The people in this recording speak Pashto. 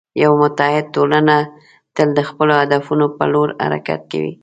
یوه متعهد ټولنه تل د خپلو هدفونو په لور حرکت کوي.